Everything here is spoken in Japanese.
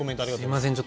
すいません。